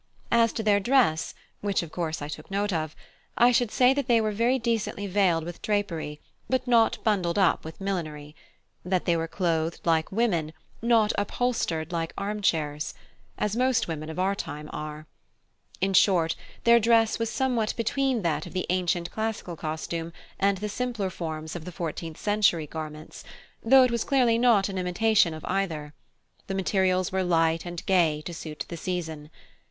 As to their dress, which of course I took note of, I should say that they were decently veiled with drapery, and not bundled up with millinery; that they were clothed like women, not upholstered like armchairs, as most women of our time are. In short, their dress was somewhat between that of the ancient classical costume and the simpler forms of the fourteenth century garments, though it was clearly not an imitation of either: the materials were light and gay to suit the season.